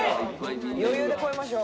余裕で超えましょう。